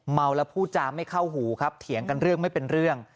เมาแล้วพูดจาไม่เข้าหูครับเถียงกันเรื่องไม่เป็นเรื่อง